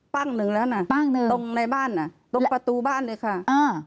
หนึ่งแล้วนะปั้งหนึ่งตรงในบ้านอ่ะตรงประตูบ้านเลยค่ะอ่า